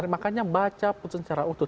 makanya baca putusan secara utuh